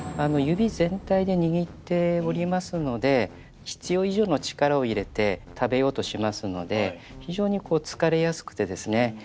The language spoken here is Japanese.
指全体で握っておりますので必要以上の力を入れて食べようとしますので非常にこう疲れやすくてですね